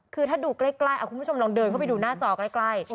คือถ้าดูใกล้คุณผู้ชมลองเดินเข้าไปดูหน้าจอใกล้